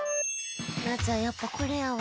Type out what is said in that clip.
夏はやっぱこれやわ。